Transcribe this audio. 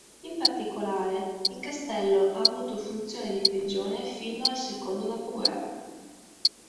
In particolare il castello ha avuto funzione di prigione fino al secondo dopoguerra.